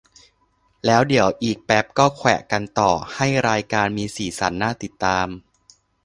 แล้วเดี๋ยวอีกแป๊ปก็แขวะกันต่อ ให้รายการมีสีสันน่าติดตาม